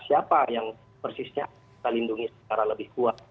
siapa yang persisnya kita lindungi secara lebih kuat